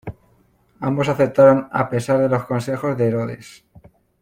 Ambos aceptaron a pesar de los consejos de Herodes.